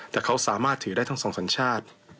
แต่เขาสามารถถือได้ทั้งสองสัญชาติ